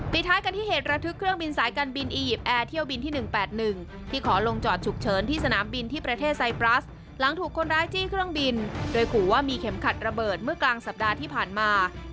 ท้ายกันที่เหตุระทึกเครื่องบินสายการบินอียิปต์แอร์เที่ยวบินที่๑๘๑ที่ขอลงจอดฉุกเฉินที่สนามบินที่ประเทศไซปรัสหลังถูกคนร้ายจี้เครื่องบินโดยขู่ว่ามีเข็มขัดระเบิดเมื่อกลางสัปดาห์ที่ผ่านมา